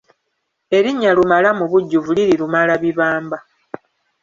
Erinnya Lumala mu bujjuvu liri Lumalabibamba.